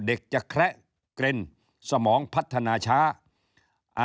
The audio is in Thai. เด็กจะแคละเกร็นสมองพัฒนาช้าอ่า